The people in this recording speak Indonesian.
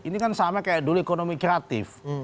ini kan sama kayak dulu ekonomi kreatif